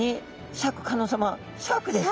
シャークです。